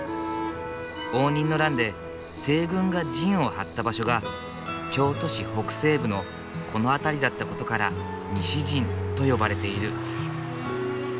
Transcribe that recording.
応仁の乱で西軍が陣を張った場所が京都市北西部のこの辺りだった事から西陣と呼ばれている。